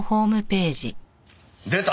出た！